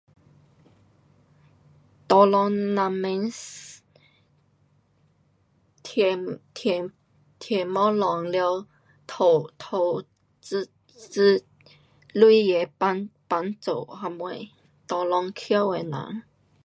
Tolong 人民，添，添，添东西了，投，投，资资，钱的帮，帮助什么，tolong 翘的人。